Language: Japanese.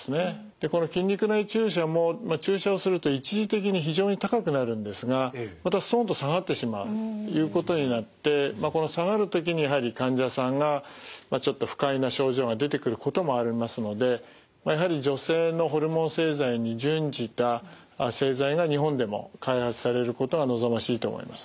でこの筋肉内注射も注射をすると一時的に非常に高くなるんですがまたストンと下がってしまうということになってこの下がる時にやはり患者さんがちょっと不快な症状が出てくることもありますのでやはり女性のホルモン製剤に準じた製剤が日本でも開発されることが望ましいと思います。